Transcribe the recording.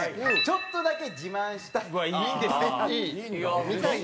ちょっとだけ自慢したい。